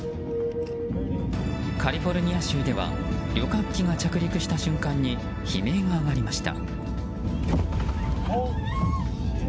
カリフォルニア州では旅客機が着陸した瞬間に悲鳴が上がりました。